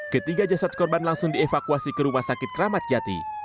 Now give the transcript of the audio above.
ketiga jasad korban langsung dievakuasi ke rumah sakit keramat jati